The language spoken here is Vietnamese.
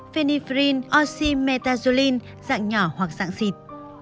phenylephrine oximetazoline dạng nhỏ hoặc dạng xịt